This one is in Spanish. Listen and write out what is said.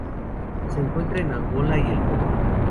Se encuentra en Angola y el Congo.